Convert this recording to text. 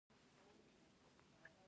ډيپلومات د ستراتیژیکو اړیکو پل جوړوي.